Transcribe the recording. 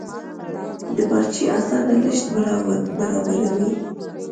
دا بارچي اسانه لېږد برابروي.